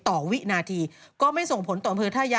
วินาทีก็ไม่ส่งผลต่ออำเภอท่ายะ